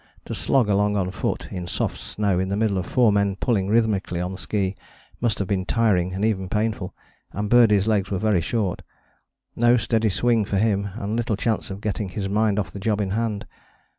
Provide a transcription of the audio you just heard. To slog along on foot, in soft snow, in the middle of four men pulling rhythmically on ski, must have been tiring and even painful; and Birdie's legs were very short. No steady swing for him, and little chance of getting his mind off the job in hand.